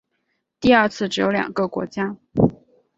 第二次只有两个国家。